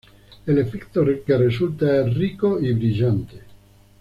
El efecto que resulta es rico y brillante.